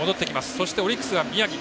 そしてオリックスが宮城。